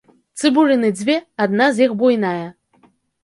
Цыбуліны дзве, адна з іх буйная.